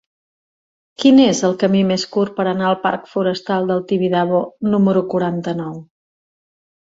Quin és el camí més curt per anar al parc Forestal del Tibidabo número quaranta-nou?